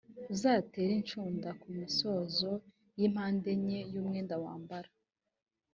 uzatere inshunda ku misozo y’impande enye z’umwenda wambara.